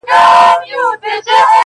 که لوی سوم ځمه د ملا غوږ کي آذان کومه,